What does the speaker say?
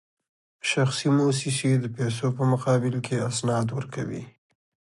شخصي موسسې د پیسو په مقابل کې اسناد ورکوي